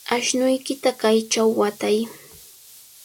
Ashnuykita kaychaw watay.